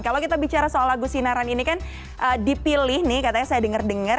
kalau kita bicara soal lagu sinaran ini kan dipilih nih katanya saya dengar dengar